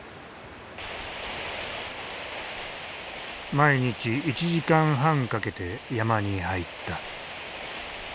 毎日１時間半かけて山に入った。